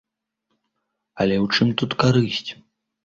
Але ў чым тут карысць?